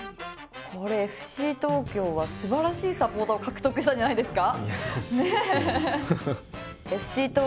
これＦＣ東京は素晴らしいサポーターを獲得したんじゃないですか？